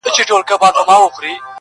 چي عادت وي چا اخیستی په شیدو کي؛